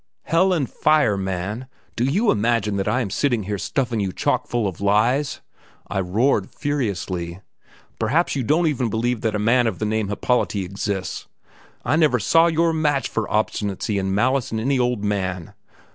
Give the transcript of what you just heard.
"Hell and fire, man! Do you imagine that I am sitting here stuffing you chock full of lies?" I roared furiously. "Perhaps you don't even believe that a man of the name of Happolati exists! I never saw your match for obstinacy and malice in any old man.